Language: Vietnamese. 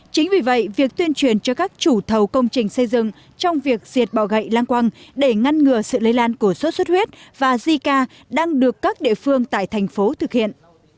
chính vì vậy việc tuyên truyền cho các chủ thầu công trình xây dựng trong việc diệt bỏ gậy lang quang để ngăn ngừa sự lây lan của sốt xuất huyết và zika đang được các địa phương tại thành phố thực hiện